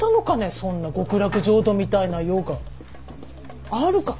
そんな極楽浄土みたいな世があるか。